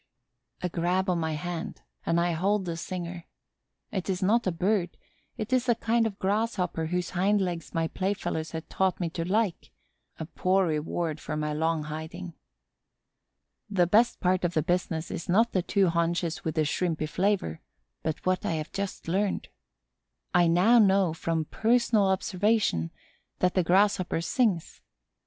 A grab of my hand and I hold the singer. It is not a Bird; it is a kind of Grasshopper whose hind legs my playfellows have taught me to like; a poor reward for my long hiding. The best part of the business is not the two haunches with the shrimpy flavor, but what I have just learned. I now know, from personal observation, that the Grasshopper sings.